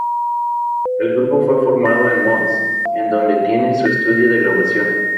El grupo fue formado en Mons, en donde tienen su estudio de grabación.